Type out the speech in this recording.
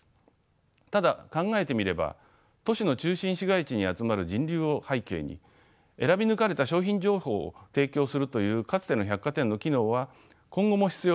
ただ考えてみれば都市の中心市街地に集まる人流を背景に選び抜かれた商品情報を提供するというかつての百貨店の機能は今後も必要とされています。